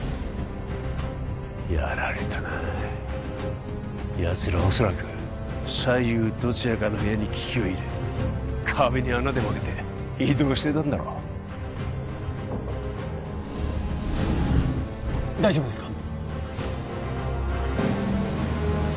やられたなやつらはおそらく左右どちらかの部屋に機器を入れ壁に穴でもあけて移動してたんだろう大丈夫ですか？